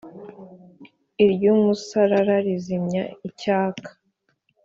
Iry'umusarara rizimya icyaka